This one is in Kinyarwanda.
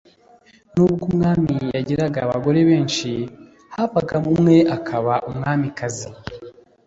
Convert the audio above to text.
n’ubwo umwami yagiraga abagore benshi, havagamo umwe akaba Umwamikazi .